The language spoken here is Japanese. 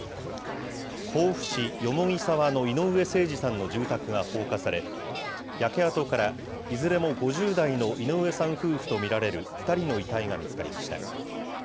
甲府市蓬沢の井上盛司さんの住宅が放火され、焼け跡からいずれも５０代の井上さん夫婦と見られる２人の遺体が見つかりました。